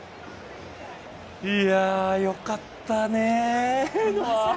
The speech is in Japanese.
いや、よかったね、ノア。